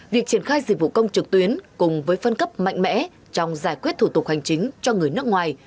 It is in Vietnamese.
việc triển khai dịch vụ công trực tuyến cùng với phân cấp mạnh mẽ trong giải quyết thủ tục hành chính cho người nước ngoài